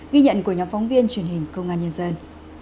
ghi nhận của nhóm phóng viên truyền hình công an nhân dân